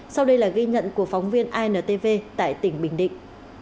sau đây là ghi nhận của phóng viên intv tại tỉnh bình định